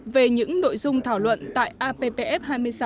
về những nội dung thảo luận tại appf hai mươi sáu